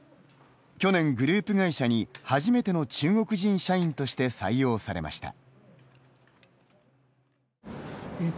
去年、グループ会社に、初めての中国人社員として採用されました。